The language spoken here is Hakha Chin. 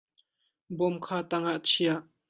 Bawm kha tang ah chia.